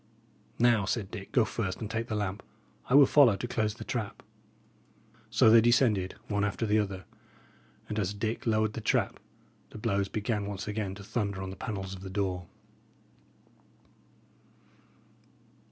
"Now," said Dick, "go first and take the lamp. I will follow to close the trap." So they descended one after the other, and as Dick lowered the trap, the blows began once again to thunder on the panels of the door.